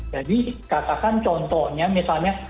jadi katakan contohnya misalnya